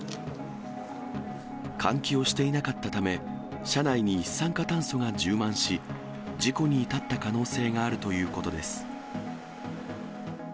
換気をしていなかったため、車内に一酸化炭素が充満し、事故に至った可能性があるということです。